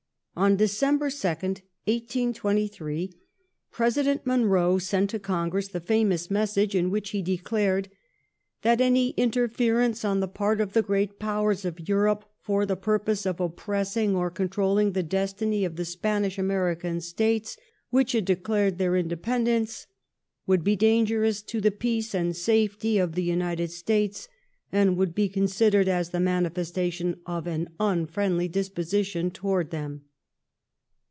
*' Oh December 2nd, 1823, President Monroe sent to Congress the famous message in which he declared " that any interference on the part of the great Powers of Europe for the ; purpose of oppressing or controlling the destiny of the Spanish J^ American States, which had declared their independence, would be dangerous to the peace and safety of the United States, and would be considered as the manifestation of an unfriendly disposi '' tion towards them